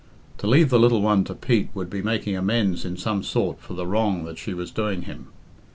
To leave the little one to Pete would be making amends in some sort for the wrong that she was doing him.